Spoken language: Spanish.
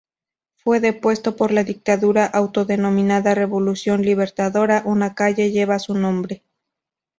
Fue depuesto por la dictadura autodenominada Revolución Libertadora.una calle lleva su nombre.